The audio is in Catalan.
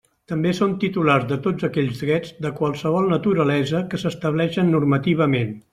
També són titulars de tots aquells drets, de qualsevol naturalesa, que s'estableixin normativament.